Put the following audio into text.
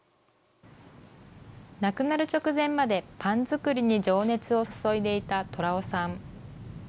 亡くなる直前までパン作りに情熱を注いでいた虎雄さん。